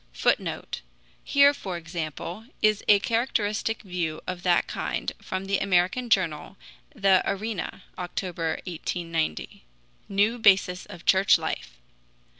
[Footnote: Here, for example, is a characteristic view of that kind from the American journal the ARENA (October, 1890): "New Basis of Church Life."